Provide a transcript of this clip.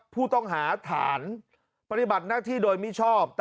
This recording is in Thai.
ผู้ต้องหาฐานปฏิบัติหน้าที่โดยมิชอบ